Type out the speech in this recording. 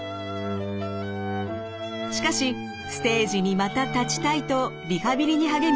しかしステージにまた立ちたいとリハビリに励み